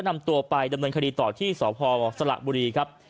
นำตัวไปดำเนินคดีต่อที่สพสละบุรีครับ